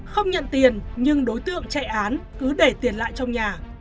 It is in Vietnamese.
không nhận tiền nhưng đối tượng chạy án cứ để tiền lại trong nhà